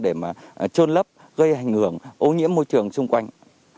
để trôn lấp gây hành ngưỡng ô nhiễm môi trường xung quanh